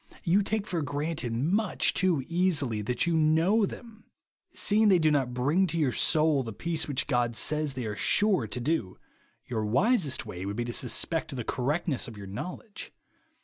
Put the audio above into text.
You take for granted much too easily that you know them. Seeing they do not bring to your soul the peace which God says they are sure to do, your wisest way would be to suspect the correctness of your knowledge.